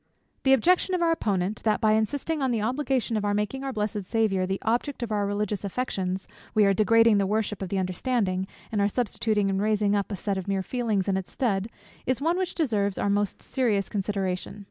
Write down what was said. _ The objection of our Opponent, that by insisting on the obligation of making our blessed Saviour the object of our religious affections, we are degrading the worship of the understanding, and are substituting and raising up a set of mere feelings in its stead, is one which deserves our most serious consideration.